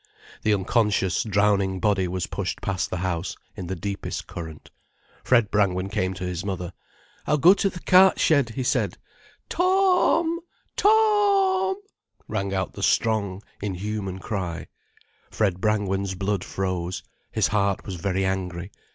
The unconscious, drowning body was pushed past the house in the deepest current. Fred Brangwen came to his mother. "I'll go to th' cart shed," he said. "To—om, To—o—om!" rang out the strong, inhuman cry. Fred Brangwen's blood froze, his heart was very angry.